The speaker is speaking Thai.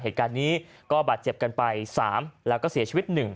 เหตุการณ์นี้ก็บาดเจ็บกันไป๓แล้วก็เสียชีวิต๑